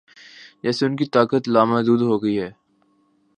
جیسے ان کی طاقت لامحدود ہو گئی ہے۔